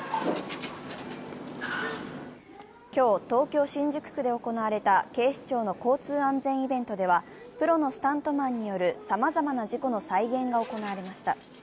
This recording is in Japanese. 今日、東京・新宿区で行われた警視庁の交通安全イベントではプロのスタントマンによるさまざまな事故の再現が行われました。